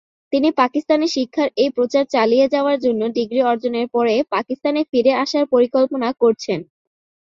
তিনি পাকিস্তানে শিক্ষার এই প্রচার চালিয়ে যাওয়ার জন্য ডিগ্রি অর্জনের পরে পাকিস্তানে ফিরে আসার পরিকল্পনা করছেন।